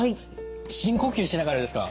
深呼吸しながらですか。